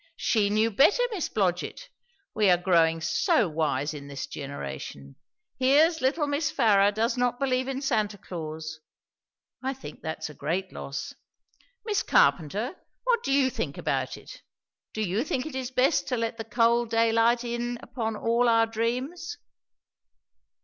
She knew better, Miss Blodgett. We are growing so wise in this generation. Here's little Miss Farrar does not believe in Santa Claus. I think that's a great loss. Miss Carpenter, what do you think about it? Do you think it is best to let the cold daylight in upon all our dreams?"